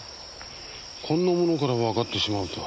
こんなものからわかってしまうとは。